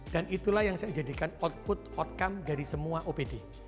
dan itulah yang saya jadikan output outcome dari semua opd